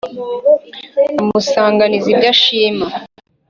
bamusanganiza ibyo ashima